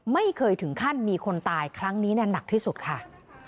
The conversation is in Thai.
ไม่เคยถึงขั้นมีคนตายครั้งนี้หนักที่สุดค่ะ